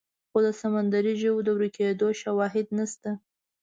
خو د سمندري ژوو د ورکېدو شواهد نشته.